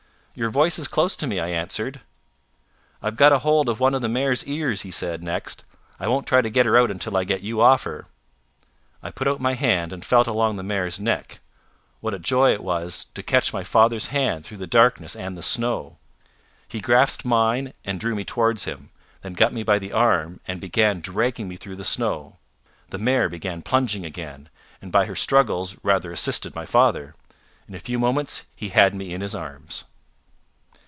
"Your voice is close to me," I answered. "I've got a hold of one of the mare's ears," he said next. "I won't try to get her out until I get you off her." I put out my hand, and felt along the mare's neck. What a joy it was to catch my father's hand through the darkness and the snow! He grasped mine and drew me towards him, then got me by the arm and began dragging me through the snow. The mare began plunging again, and by her struggles rather assisted my father. In a few moments he had me in his arms.